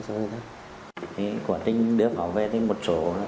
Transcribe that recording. quản trình đưa pháo về tới một chỗ